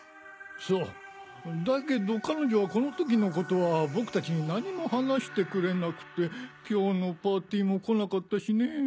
そうだけど彼女はこの時のことは僕たちに何も話してくれなくて今日のパーティーも来なかったしねぇ。